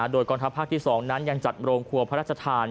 โดยกองทัพภาคที่๒นั้นยังจัดโรงครัวพระราชทาน